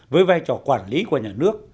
với vai trò quản lý qua nhà nước